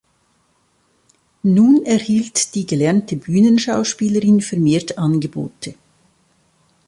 Nun erhielt die gelernte Bühnenschauspielerin vermehrt Angebote.